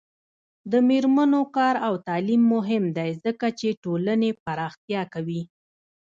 د میرمنو کار او تعلیم مهم دی ځکه چې ټولنې پراختیا کوي.